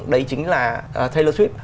đấy chính là taylor swift